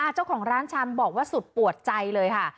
เจ้าของร้านชำบอกว่าสุดปวดใจเลยค่ะ